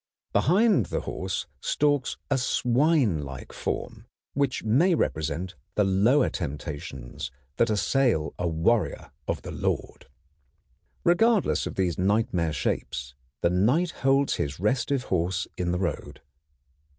Behind the horse stalks a swinelike form, which may represent the lower temptations that assail a warrior of the Lord. Regardless of these nightmare shapes, the Knight holds his restive horse in the road.